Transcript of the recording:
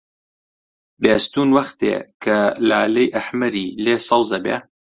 بێستوون وەختێ کە لالەی ئەحمەری لێ سەوز ئەبێ